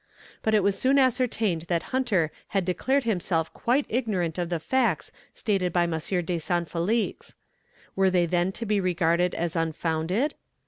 But it was soon ascertained that Hunter had declared himself quite ignorant of the facts stated by M. de Saint Felix. Were they then to be regarded as unfounded?